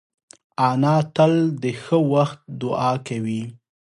انا تل د ښه وخت دعا کوي